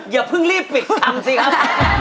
อย่าเพิ่งรีบปิดทำสิครับ